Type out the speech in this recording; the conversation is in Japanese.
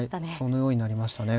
そのようになりましたね。